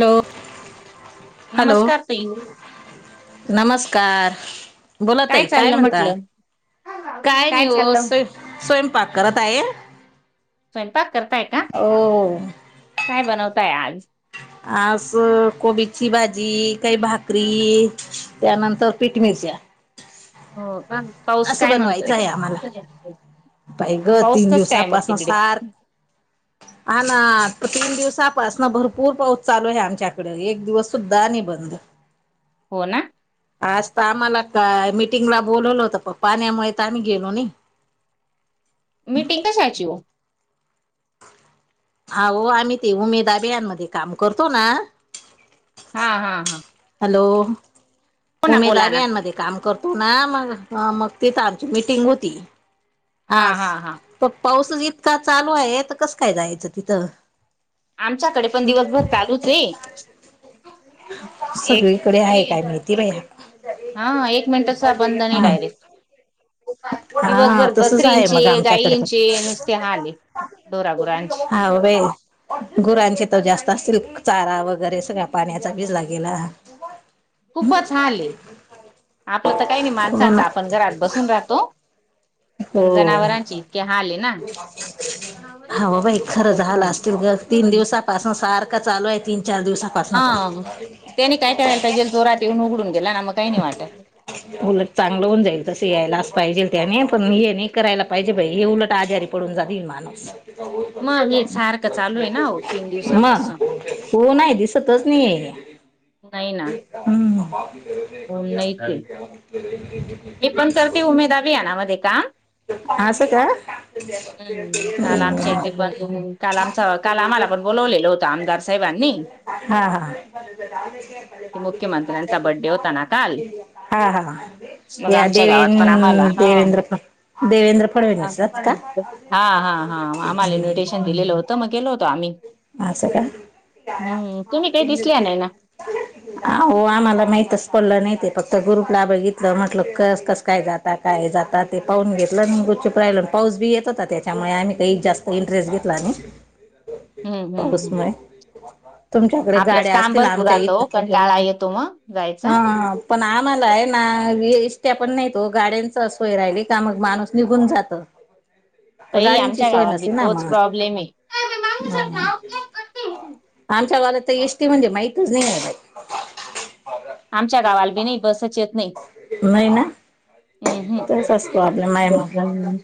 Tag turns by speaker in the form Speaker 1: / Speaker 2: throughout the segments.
Speaker 1: Hello hello
Speaker 2: नमस्कार ताई
Speaker 1: नमस्कार बोला ताई काय
Speaker 2: चाललं
Speaker 1: म्हणतात
Speaker 2: म्हटलं
Speaker 1: काय नाही वो. स्वय स्वयंपाक करत आहे.
Speaker 2: स्वयंपाक करताय का?
Speaker 1: हो
Speaker 2: काय बनवताय आज?
Speaker 1: आज कोबीची भाजी काही भाकरी त्यानंतर पीठ मिरच्या
Speaker 2: हो का पाऊस
Speaker 1: असं
Speaker 2: काय म्हणतोय.
Speaker 1: बनवायचं आहे आम्हाला पाहि ग
Speaker 2: पाऊस
Speaker 1: तीन
Speaker 2: कस काय मग
Speaker 1: दिवसापासन
Speaker 2: तिकडे?
Speaker 1: सार हा ना तीन दिवसापासनं भरपूर पाऊस चालू आहे आमच्याकडे एक दिवस सुद्धा नाही बंद.
Speaker 2: हो ना
Speaker 1: आज तर आम्हाला का मीटिंगला बोलवलं होत प पाण्यामुळे तर आम्ही गेलो नाई.
Speaker 2: मीटिंग कशाची ओ
Speaker 1: आहो आम्ही ते उमेद बभियानमध्ये काम करतो ना
Speaker 2: हा हा हा
Speaker 1: हॅलो
Speaker 2: हो ना
Speaker 1: उमेद
Speaker 2: बोला ना
Speaker 1: अभियानमध्ये काम करतो ना मग ह मग तिथं आमची मीटिंग होती
Speaker 2: हा
Speaker 1: आज
Speaker 2: हा हा
Speaker 1: प पाऊस इतका चालू आहे तर कसं काय जायचं तिथं
Speaker 2: आमच्याकडे पण दिवसभर चालूच आहे एक
Speaker 1: सगळीकडे आहे काय माहिती बाई
Speaker 2: [inaudible] हा एक मिनिटं सुद्धा बंद नाही डायरेक्ट
Speaker 1: हा
Speaker 2: दिवसभर
Speaker 1: तसच आहे
Speaker 2: बकरींचे
Speaker 1: मग आमच्याकडे
Speaker 2: गायींचे
Speaker 1: पण
Speaker 2: नुसते हाल आहेत ढोरागुरांचे
Speaker 1: हा ओ बाई गुरांचे तर जास्त असल क चारा वगैरे सगळ्या पाण्यात तर भिजला गेला
Speaker 2: खूपच हाल हे आपलं तर काय नाही
Speaker 1: हो ना
Speaker 2: माणसांचं आपण घरात बसून राहतो
Speaker 1: हो
Speaker 2: पण जनावरांची इतके हाल आहे ना
Speaker 1: हा ब बाई खरं झालं असतील ग तीन दिवसापासून सारखं चालू आहे तीन चार दिवसात
Speaker 2: हा त्याने काय कारायला पाहिजेल जोरात येऊन उघडून गेला ना मग काही नाही वाटत
Speaker 1: उलट चांगलं होऊन जाईल तस यायलाच पाहिजे त्याने. पण हे नाही करायला पाहिजे बाई हे उलट आजारी पडून जातील माणूस.
Speaker 2: मग एक सारखं चालू आहे ना हो तीन दिवसापासून.
Speaker 1: मग हो नाही दिसतच नाही हेज्यात
Speaker 2: नाही ना.
Speaker 1: हम्
Speaker 2: हो नाही ते मी पण करते उमेद अभियाना मध्ये काम
Speaker 1: असं का
Speaker 2: हम्म काल आमच्या इथे ब काल आमच्या काल आम्हाला पण बोलावलेललं होतं आमदार साहेबांनी
Speaker 1: हा हा
Speaker 2: ते मुख्यमंत्र्यांचा बड्डे होता ना काल
Speaker 1: हा हा
Speaker 2: मग
Speaker 1: या
Speaker 2: आमच्या
Speaker 1: देवे
Speaker 2: गावात पण आम्हाला हा
Speaker 1: देवेंद्र देवेंद्र
Speaker 2: हा
Speaker 1: फडणवीसच का
Speaker 2: तम गेलो होतो आम्ही
Speaker 1: असं का
Speaker 2: हम्म तुम्ही काही दिसल्या नाही ना
Speaker 1: हो आम्हाला माहितच पडलं नाही ते फक्त ग्रुपला बघितलं म्हटलं कस कस काय जात. ता जाता ते पाहून घेतलं गुपचूप राहिला पाऊस बी येत होता त्याच्यामुळे आम्ही काही जास्त तर इंटरेस्ट घेतला नाही
Speaker 2: हम्म हम्म हम्म
Speaker 1: उसमय तुमच्याकडे
Speaker 2: आपलंच
Speaker 1: गाड्या
Speaker 2: काम
Speaker 1: असतील
Speaker 2: भरपूर
Speaker 1: आमच्या
Speaker 2: राहतो
Speaker 1: इथं
Speaker 2: कंटाळा येतो मग जायचा.
Speaker 1: हा पण आम्हाला आहे ना एस्ट्या पण नाही हो गाड्यांच सोय राहिली का मग माणूस निघून जातं
Speaker 2: बाई आमच्या गावाला भी तोच प्रॉब्लेम आहे
Speaker 1: हो आमच्या गावाला तर एसटी म्हणजे माहितच नाही बाई
Speaker 2: आमच्या गावाला बी नाही बसच येत नाही
Speaker 1: बाई नाही ना
Speaker 2: हम
Speaker 1: तोच असतो आपल्या माय
Speaker 2: हम्म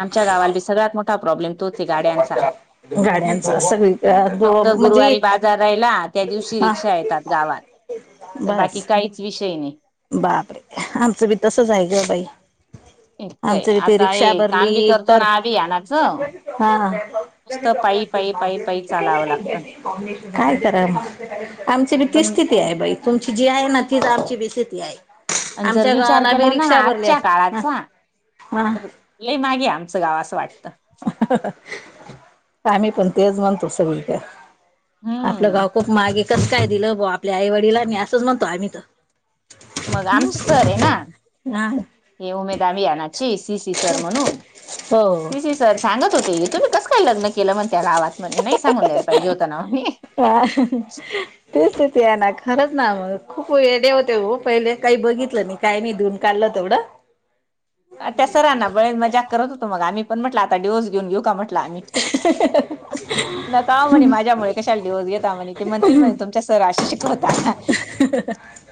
Speaker 2: आमच्या गावाला भी सगळ्यात मोठा प्रॉब्लेम गाड्यांचा
Speaker 1: गाड्यांचा सगळी दो
Speaker 2: फक्त
Speaker 1: म्हणजे
Speaker 2: गुरुवारी बाजार राहिला त्या दिवशी
Speaker 1: हा
Speaker 2: रिक्षा येतात गावात तर बाकी
Speaker 1: बस
Speaker 2: काहीच विषय नाही
Speaker 1: बापरे आमचं बी तसच आहे ग बाई
Speaker 2: इतकंय
Speaker 1: आमच इथे
Speaker 2: आता
Speaker 1: रिक्षा
Speaker 2: हे काम
Speaker 1: भरली
Speaker 2: बी करतो
Speaker 1: तर
Speaker 2: ना अभियानाचं
Speaker 1: हा
Speaker 2: नुसतं पायी पायी पायी पायी चालावं लागतं
Speaker 1: काय आमची भी तीच
Speaker 2: पण
Speaker 1: स्थिती ती आहे बाई तुमची जी आहे ना तीच आमची बी स्थिती आहे
Speaker 2: आणि जर
Speaker 1: आमच्या
Speaker 2: विचार
Speaker 1: गावाला बी
Speaker 2: केला ना
Speaker 1: रिक्षा भरली
Speaker 2: आजच्या
Speaker 1: आहे
Speaker 2: काळाचा
Speaker 1: हा
Speaker 2: तर लय मागे आमचं गाव असं वाटतं
Speaker 1: आम्ही पण तेच म्हणतो, सगळी कर. आपलं
Speaker 2: हम्म
Speaker 1: गाव खूप मागे. कसं काय दिलं बुवा आपल्या आईवडीलांनी, असंच म्हणतो आम्ही तर.
Speaker 2: मग, आमचीच चर आहे ना?
Speaker 1: हा.
Speaker 2: हे उमेद आभियानाची, सी सी सर म्हणून.
Speaker 1: हो
Speaker 2: सी सी सर सांगत होते, तुम्ही कसं काय लग्न केलं म्हण त्या गावात म्हणे, नाही सांगून द्यायला पाहिजे हो ना म्हणे
Speaker 1: हा. तेचते ते आहे ना, खरंच ना खूप वेडे होते हो पहिले. काही बघितलं नाही काय नाही धुऊन काढलं तेवढं.
Speaker 2: आणि त्या सरांना पण बळेच मजाक करत होतो. मग आम्ही पण म्हटलं, आता डिव्होर्स घेऊन, घेऊ का म्हट आम्ही नका ओ म्हणे, माझ्यामुळे कशाला डिवोर्स घेता म्हणे ते म्हणतील म्हणे तुमचे सर असे शिकवता का?
Speaker 1: हं ह हा हा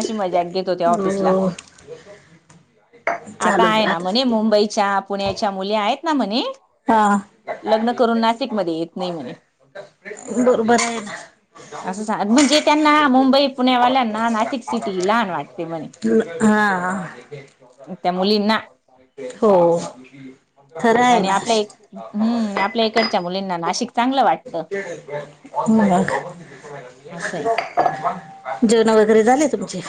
Speaker 2: अशी मजाक घेत होते, ऑफिसला.
Speaker 1: हो
Speaker 2: आता
Speaker 1: चालूच
Speaker 2: आहे ना
Speaker 1: राहत
Speaker 2: म्हणे. मुंबईच्या, पुण्याच्या मुली आहेत ना म्हणे
Speaker 1: हा.
Speaker 2: लग्न करून नाशिकमध्ये, येत नाही म्हणे.
Speaker 1: मग काय, फ्रेश बरोबर आहे ना.
Speaker 2: असं सांग म्हणजे त्यांना मुंबई -पुण्यावाल्यांना, नाशिक सिटी लहान वाटते म्हणे.
Speaker 1: [inaudible] हां
Speaker 2: त्या मुलींना
Speaker 1: हो. खरं आहे ना.
Speaker 2: हम्म्, आपल्या इकडच्या मुलींना नाशिक चांगलं वाटतं.
Speaker 1: [unintelligible] हम्म्, [unintelligible]
Speaker 2: असं आहे.
Speaker 1: जेवणं वगैरे, झाले तुमचे?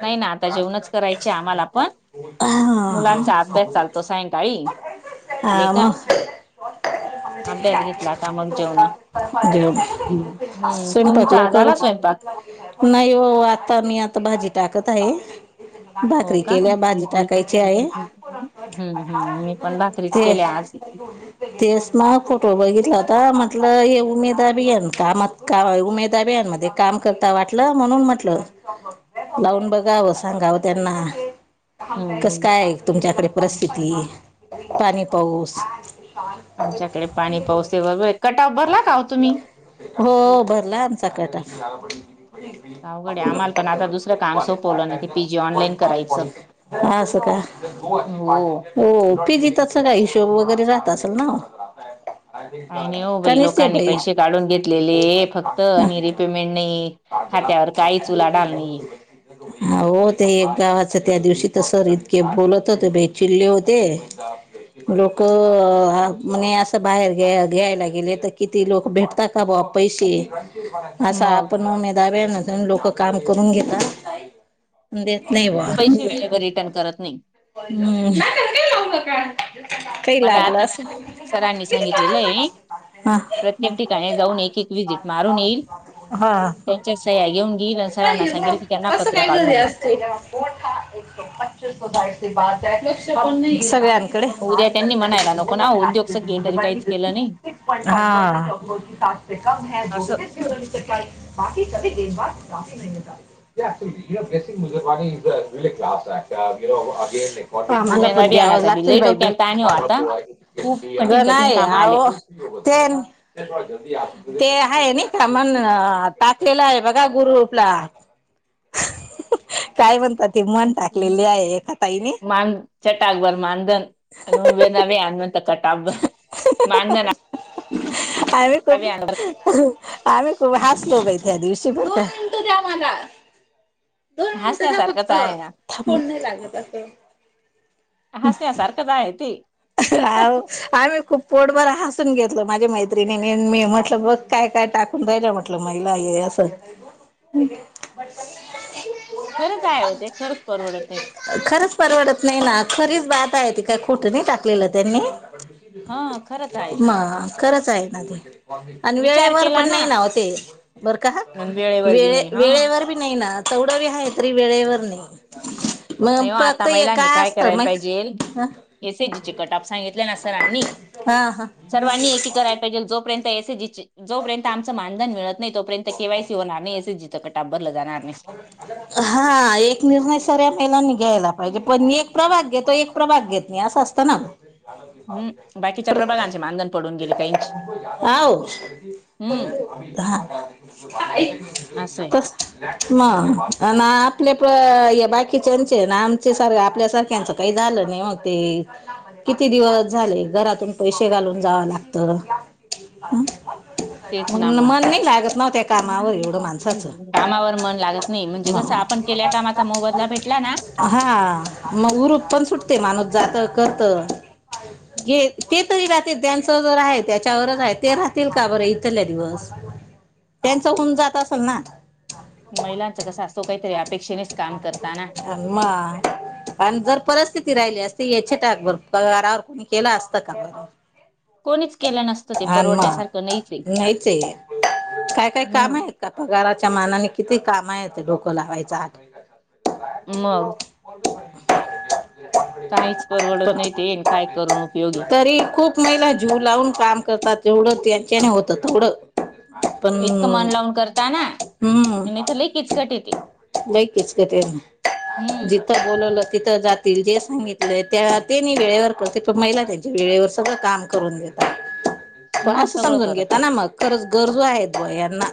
Speaker 2: नाही ना, आता जेवणंच करायचे आम्हाला पण.
Speaker 1: हा
Speaker 2: मुलांचा अभ्यास चालत तस हायना ताई,
Speaker 1: हा
Speaker 2: येता.
Speaker 1: मग
Speaker 2: अभ्यास घेतला आता, मग जेवणं.
Speaker 1: जेवलो.
Speaker 2: जेवण.
Speaker 1: स्वयंपाक लवकर नाही हो आता, मी आता भाजी टाकत आहे.
Speaker 2: हो,
Speaker 1: भाकरी
Speaker 2: का?
Speaker 1: केल्या भाजी
Speaker 2: [unintelligible]
Speaker 1: टाकायची आहे
Speaker 2: हम्म्.. हम. मी पण भाकरीच
Speaker 1: ते
Speaker 2: केल्या आज.
Speaker 1: तेच ना फोटो बघितला होता म्हटलं, हे उमेद अभियाना कामात. का उमेद अभियानमध्ये काम करता वाटलं, म्हणून म्हंटलं. लावून बघावं, सांगावं त्यांना.
Speaker 2: हम्म
Speaker 1: कसं कायं तुमच्याकडे परिस्थिती,
Speaker 2: हम्म
Speaker 1: ऊन, पाणी-पाऊस?
Speaker 2: आमच्याकडे पाणी पाऊस [unintelligible] कट ऑफ भरला का हो तुम्ही?
Speaker 1: हो, भरला आमचा कट ऑफ.
Speaker 2: अवघड आहे आम्हाला पण आता दुसरं काम सोपवलं ना ते पीजी ऑनलाईन करायचं
Speaker 1: [unintelligible] असं का?
Speaker 2: हो
Speaker 1: हो, पीजी तच सगळा हिशोब वगैरे राहत असेल ना?
Speaker 2: काही नाही हो
Speaker 1: का
Speaker 2: बाई
Speaker 1: नसते
Speaker 2: लोकांनी पैसे
Speaker 1: बाहेर?
Speaker 2: काढून घेतलेले हे फक्त आणि रिपेमेंट नाही. खात्यावर काहीच उलाढाल नाही.
Speaker 1: आहो.. ते एक गावाचं त्या दिवशी ते सर इतके बोलत होते बाई चिडले होते. [unintelligible] लोकं हा म्हणे असं बाहेर घ्यायला गेले तर, किती लोकं भेटतात? का बुवा पैसे असा
Speaker 2: मग
Speaker 1: आपणहून [unintelligible] लोकं काम करून घेतात. देत नाही. बा
Speaker 2: पैसे वेळेवर रिटर्न करत नाही.
Speaker 1: [inaudible] काही
Speaker 2: मला
Speaker 1: लागलं
Speaker 2: आता
Speaker 1: असण.
Speaker 2: सरांनी
Speaker 1: हा [unintelligible]
Speaker 2: एकम ठिकाणी जाऊन एक एक व्हिजिट मारून येईल.
Speaker 1: हा
Speaker 2: त्यांच्या सह्या घेऊन गेईल सरांना सांगेल की त्यांना पत्र काढून देईल.
Speaker 1: [inaudible] [unintelligible] [inaudible]
Speaker 2: उद्या त्यांनी म्हणायला नको ना
Speaker 1: कम
Speaker 2: उद्योग सगळे तरी काहीच केलं
Speaker 1: है
Speaker 2: नाही
Speaker 1: दोगटे
Speaker 2: असं
Speaker 1: बाकी की [unintelligible] [inaudible] आम्हाला
Speaker 2: उमेदा
Speaker 1: पण द्याव
Speaker 2: बियाणाचा बी
Speaker 1: लागतील
Speaker 2: लई
Speaker 1: बाई भेट
Speaker 2: डोक्याला ताण हो आता खूप कठीण कठीण
Speaker 1: गणय
Speaker 2: काम आले.
Speaker 1: आह - [inaudible] टेन- ते आहे नि का मण टाकलेलं आहे, बघा ग्रुपला-
Speaker 2: [inaudible]
Speaker 1: काय म्हणतात ती म्हण टाकलेली आहे एका ताईने.
Speaker 2: मांन चटाग बर मानधन अन् [unintelligible] चटाब मानधन
Speaker 1: आणि तो आम्ही खूप हसलो बाई त्या दिवशी बरं का. दोन मिनिटं द्या
Speaker 2: हसण्यासारखंच
Speaker 1: फक्त
Speaker 2: आहे ना
Speaker 1: थापून नाही लागत अस.
Speaker 2: तवाय ते
Speaker 1: आ हो आम्ही खूप पोट बर हासून घेतलं माझ्या मैत्रिणी मी म्हटलं बघ काय काय टाकून राहिलं म्ह आपलं महिला हे असं‌
Speaker 2: खरंच आहे ते खरंच परवडतयं.
Speaker 1: खरंच परवडत नाही ना खरीच बात आहे, ती काय खोटी नाय टाकलेलं त्यांनी
Speaker 2: हा खरंच आहे
Speaker 1: म
Speaker 2: ते
Speaker 1: खरंच हाय ना ते. आणि
Speaker 2: विचार
Speaker 1: वेळेवर
Speaker 2: केला
Speaker 1: पण नाय ना ओ ते, बर का
Speaker 2: आणि वेळेवर बी
Speaker 1: वेळे
Speaker 2: नाही हा.
Speaker 1: वेळेवर बी नाय ना तेवढं बी हाय तरी वेळेवर नाइ. मग
Speaker 2: नाही हो
Speaker 1: फक्त
Speaker 2: आता
Speaker 1: एका असत मग
Speaker 2: ए सी जी चे कटाप सांगितलं ना सरांनी
Speaker 1: हा हा
Speaker 2: सर्वांनी एक कराय पायजेल जोपर्यंत ए सी जी ची जोपर्यंत आमचं मानधन मिळत नाय तोपर्यंत केवायसी होणार नाय एस एस जी चं कटाप भरलं जाणार नाय.
Speaker 1: हा एक निर्णय सऱ्या महिलांनी घ्यायला पायजे, पण मी एक प्रभाग घेतो एक प्रभाग घेत नाइ असं असतं ना.
Speaker 2: हम्म बाकीच्या प्रबलांचे मानधन पडून गेले काहींची
Speaker 1: आ ओ हां
Speaker 2: असं आहे
Speaker 1: कसं म अन आपल्या प हे बाकीच्याचे ना आमचे सार आपल्या सारख्यांच काय झालं नाही ओ ते किती दिवस झाले घरातून पैशे घालून जावं लागत ह.
Speaker 2: तेच
Speaker 1: मग
Speaker 2: ना
Speaker 1: मन नाय लागत नव त्या कामावर एवढं माणसाचं
Speaker 2: कामावर मन लागत नाइ म्हणजे कसं
Speaker 1: मग
Speaker 2: आपण केल्या कामाचा मोबदला भेटला ना
Speaker 1: हा मग उरूप पण सुटते माणूस जात करत घे ते तरी राहतील त्यांचं जर आहे त्याच्यावरच आहे ते राहतील का बरं इथल्या दिवस
Speaker 2: [inaudible]
Speaker 1: त्यांचं होऊन जात असल ना. [inaudible]
Speaker 2: महिलांचं कसं असतो कायतरी अपेक्षेनेच काम करता ना.
Speaker 1: आण म. आन जर परिस्थिती राहिली असते, या छीटाकभर पगारावर कोणी केलं असतं का मग?
Speaker 2: कोणीच केला न
Speaker 1: आन म नायचये काय काय काम
Speaker 2: हम्म
Speaker 1: आहेत. का पगाराच्या मानाने किती काम आहेत डोकं लावायचं आ [inaudible]
Speaker 2: मग काहीच परवडत नाय तेन काय करून उपयोग हे.
Speaker 1: तरी खूप खूप महिला जीव लावून काम करतात तेवढं त्यांच्याने होतं तेवढं पण
Speaker 2: इतकं मन लावून करता ना
Speaker 1: हम्म.
Speaker 2: नाही तर लई किचकट येते
Speaker 1: लई किचकट ये
Speaker 2: हम्म
Speaker 1: जिथं बोलवलं तिथं जातील जे सांगितलंय त्या तेनी वेळेवर करते, पण महिला त्यांच्या वेळेवर सगळं काम करून घेतात. त
Speaker 2: मग
Speaker 1: असं
Speaker 2: सगळं
Speaker 1: समजून
Speaker 2: करतात
Speaker 1: घेताना मग खरंच गरजू आहेत ब यांना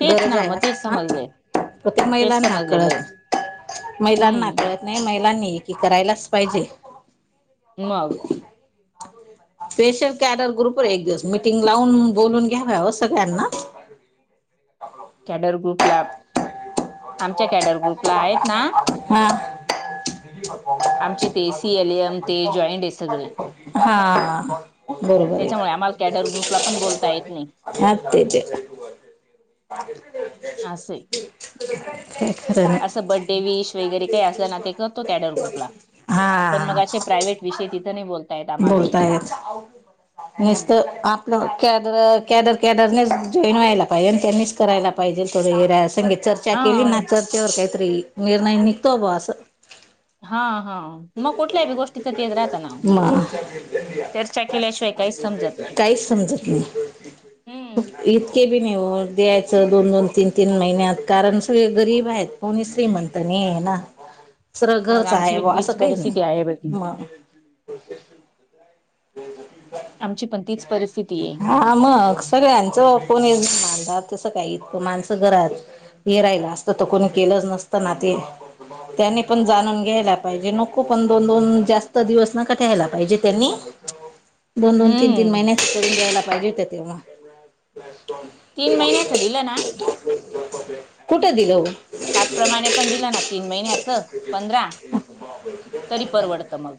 Speaker 2: तेच
Speaker 1: गरज
Speaker 2: ना मग
Speaker 1: आहे
Speaker 2: तेच
Speaker 1: हं
Speaker 2: समजले
Speaker 1: तर ते महिला
Speaker 2: तेच
Speaker 1: ना
Speaker 2: समजलेलं
Speaker 1: कळत
Speaker 2: आहे
Speaker 1: महिलांना
Speaker 2: हम्म
Speaker 1: कळत नाही, महिलांनी एकी करायलाच पाहिजे.
Speaker 2: मग
Speaker 1: स्पेशल कॅरर ग्रुप र एक दिवस मिटिंग लावून बोलून घ्याव्या सगळ्यांना
Speaker 2: कॅडर ग्रुपला आमच्या कॅडर ग्रुपला आहेत ना,
Speaker 1: [unintelligible] [inaudible] हा
Speaker 2: आमचे ते सीएलएम ते जॉईंट आहे सगळे
Speaker 1: हा बरोबर आहे.
Speaker 2: त्याच्यामुळे आम्हाला कॅडर ग्रुपला पण बोलता येत नाही
Speaker 1: हगतेचे
Speaker 2: असे
Speaker 1: खरं नाही
Speaker 2: असं बड्डे विश वगैरे काही असल्या ना ते करतो त्या कॅडर ग्रुपला पण
Speaker 1: हा
Speaker 2: मगाशी प्रायव्हेट विषयी तिथं नाही बोलता येत आम्हाला
Speaker 1: निसत
Speaker 2: हम्म
Speaker 1: आपलं कॅदर कॅदर कॅदरनेच जॉईन व्हायला पाहिजे, आणि त्यांनीच करायला पाहिजेल. थोड हरा संग चर्चा केली ना,
Speaker 2: हा
Speaker 1: चर्चे वर काहितर निर्णय निघतो बुवा असं
Speaker 2: हा हा मग कुठल्या बी गोष्टीच तेज राहत ना.
Speaker 1: मग
Speaker 2: चर्चा केल्याशिवाय काहीच समजत नाही.
Speaker 1: काहीच समजत
Speaker 2: हम्म.
Speaker 1: ते बी नाही होऊ द्यायचं, दोन दोन-दोन, तीन-तीन महिन्यात कारण सगळे गरीब आहेत. कोणी श्रीमंत नाही आहे ना. सरळ
Speaker 2: मग
Speaker 1: घरच
Speaker 2: आमची
Speaker 1: आहे
Speaker 2: व
Speaker 1: बा असं
Speaker 2: तीच
Speaker 1: काहीच नाही
Speaker 2: परिस्थिती आहे बर ती
Speaker 1: [inaudible]
Speaker 2: आमची पण तीच परिस्थिती आहे.
Speaker 1: हा मग सगळ्यांचं कोण माणत तसं काही इ माणसं घरात हे राहिला असत, तर कोणी केलंच नसतं ना ते त्यांनी पण जाणून घ्यायला पाहिजे. नक दोन- दोन जास्त दिवसला पाहिजे त्यांनी दोन-दोन, तीन-तीन
Speaker 2: हम्म
Speaker 1: महि करून द्यायला पाहिजे होतं, त्यांनी
Speaker 2: तीन महिन्याचं दिलं ना
Speaker 1: कुठे दिलं. ओ
Speaker 2: पाच प्रमाणे पण दिलं ना, तीन महिन्याचं पंधरा तरी परवडतं मग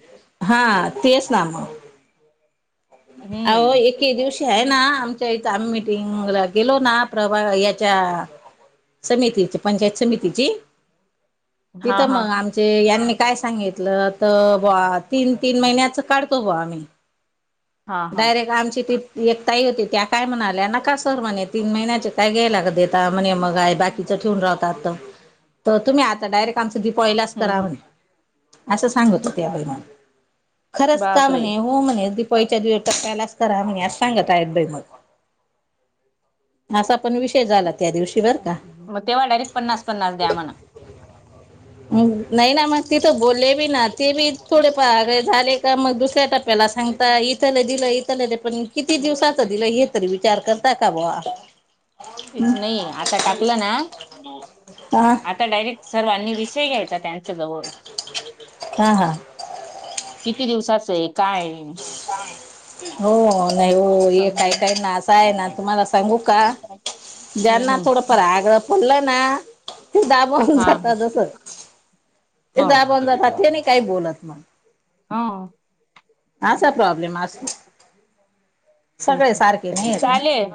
Speaker 1: हा तेच सांग. आहो
Speaker 2: हम्म
Speaker 1: एक ऐके दिवशी आहे ना आमच्या इथ आम्ही मिटिंगला गेलो ना प्रभा याच्या समितीची, पंचायत समितीची
Speaker 2: हा
Speaker 1: तिथं
Speaker 2: हा
Speaker 1: मग आम म्हणजे यांनी काय सांगितलं तर बुवा तीन-तीन महिन्याच काढतो बुवा आम्ही
Speaker 2: हा हा
Speaker 1: डायरेक्ट आमची ती एक ताई होती त्या काय म्हणाल्या नका सर म्हणे तीन महिन्याचे काय घ्यायला का देता, म्हणे मगय बाकी तसून राहतात तर, तुम्ही आता डायरेक्ट आमचं दिपवलीलाच
Speaker 2: हम्म हम्म
Speaker 1: करावं असं, सांगत होत्या बाई मला खरंच का
Speaker 2: बापरे.
Speaker 1: म्हणे हो म्हणे दिपवाळीच्या दीड टप्प्यालाच करा म्हणे अस सांगत आहेत बाई मग असा पण विषय झाला त्या दिवशी बरं का
Speaker 2: मग तेव्हा डायरेक्ट पन्नास-पन्नास द्या म्हणा.
Speaker 1: नाही ना, मग तिथं बोलले बी ना ते बी थोडे फार झाले. का मग, दूसऱ्या टप्प्याला सांगता येईल. त्यानं दिलं इथलेले, पण किती दिवसाचं दिलं? हे तरी विचार करता का बुवा?
Speaker 2: हेच नाही, आता टाकलं ना
Speaker 1: आ?
Speaker 2: आता डायरेक्ट सर्वांनी, विषय घ्यायचा त्यांच्या जवळ.
Speaker 1: हा, हा.
Speaker 2: किती दिवसाचं आहे? काय?
Speaker 1: हो.., नाही हो.
Speaker 2: असं.
Speaker 1: हे काही
Speaker 2: हम्म
Speaker 1: काही नां, असं आहे ना तुम्हाला सांगू का? ज्यांना
Speaker 2: हम्म.
Speaker 1: थोडंफार आग्रह पडलं ना, ते दा बनुन
Speaker 2: हा हो.
Speaker 1: जातात असं. ते
Speaker 2: हो
Speaker 1: दाबून जातात ते नाही काही बोलत मग.
Speaker 2: हा.
Speaker 1: असा प्रॉब्लेम असतो, सगळे
Speaker 2: तेच
Speaker 1: सारखे नाही येत ना?
Speaker 2: चालेल.